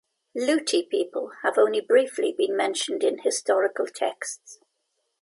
Luti people have only briefly been mentioned in historical texts.